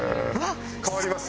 変わります？